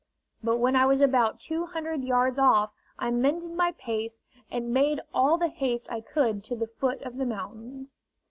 But when I was about two hundred yards off I mended my pace and made all the haste I could to the foot of the mountains.